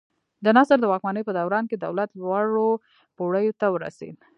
د نصر د واکمنۍ په دوران کې دولت لوړو پوړیو ته ورسېد.